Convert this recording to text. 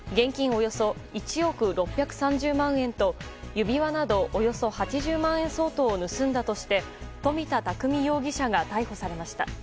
およそ１億６３０万円と指輪などおよそ８０万円相当を盗んだとして富田匠容疑者が逮捕されました。